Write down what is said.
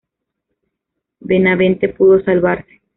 Benavente pudo salvarse.